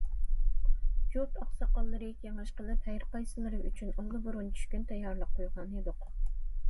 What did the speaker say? يۇرت ئاقساقاللىرى كېڭەش قىلىپ ھەرقايسىلىرى ئۈچۈن ئاللىبۇرۇن چۈشكۈن تەييارلىق قويغانىدۇق.